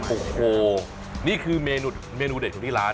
โอ้โหนี่คือเมนูเด็ดของที่ร้าน